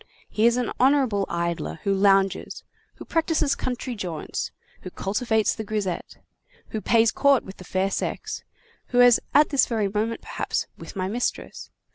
He is an honorable idler who lounges, who practises country jaunts, who cultivates the grisette, who pays court to the fair sex, who is at this very moment, perhaps, with my mistress.